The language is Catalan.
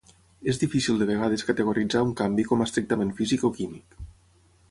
És difícil de vegades categoritzar un canvi com estrictament físic o químic.